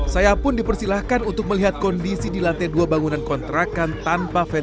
saya pun dipersilahkan untuk melihat kondisi di lantai dua bangunan kontrakan tanpa veteran